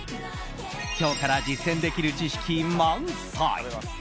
今日から実践できる知識満載！